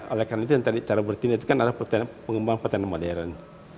oleh karena itu yang tadi cara berarti itu kan arah pengembangan petani modern